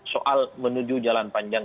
soal menuju jalan panjang